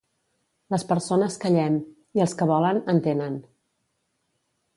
Les persones callem, i els que volen, entenen.